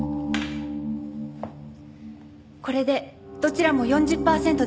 これでどちらも４０パーセントです。